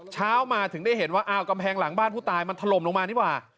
เช้ามาถึงได้เห็นว่าอ้าวกำแพงหลังบ้านผู้ตายมันถล่มลงมานี่หว่า